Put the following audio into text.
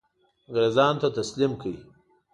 انګرېزانو ته تسلیم کړ.